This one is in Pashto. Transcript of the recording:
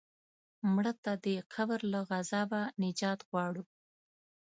مړه ته د قبر له عذابه نجات غواړو